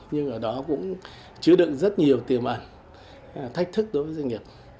nhưng ở đó cũng chứa đựng rất nhiều tiềm ẩn thách thức đối với doanh nghiệp